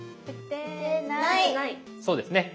そうですね。